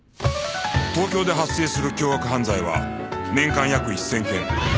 東京で発生する凶悪犯罪は年間約１０００件